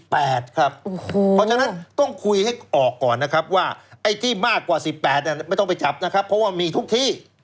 เพราะฉะนั้นต้องคุยให้ออกก่อนนะครับว่าไอ้ที่มากกว่า๑๘ไม่ต้องไปจับนะครับเพราะว่ามีทุกที่